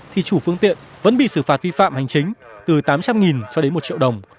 thì chủ phương tiện vẫn bị xử phạt vi phạm hành chính từ tám trăm linh cho đến một triệu đồng